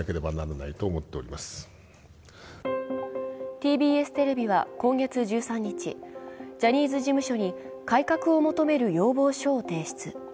ＴＢＳテレビは今月１３日、ジャニーズ事務所に改革を求める要望書を提出。